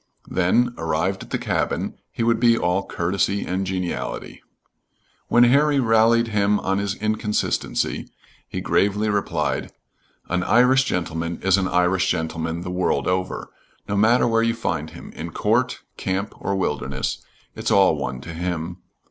Then, arrived at the cabin, he would be all courtesy and geniality. When Harry rallied him on his inconsistency, he gravely replied: "An Irish gentleman is an Irish gentleman the world over, no matter where you find him, in court, camp, or wilderness; it's all one to him.